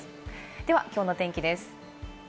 ではきょうの天気です。